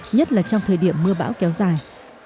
nhất là trong thời điểm mưa bão kéo dài